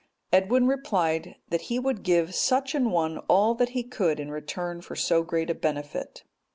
Edwin replied, that he would give such an one all that he could in return for so great a benefit.